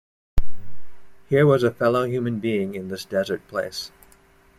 Here was a fellow human being in this desert place.